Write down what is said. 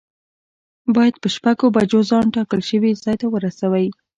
باید په شپږو بجو ځان ټاکل شوي ځای ته ورسوی.